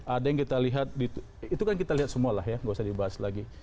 ada yang kita lihat itu kan kita lihat semua lah ya nggak usah dibahas lagi